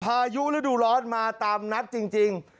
พายุระดูรรดิ์มาตามนัดจริง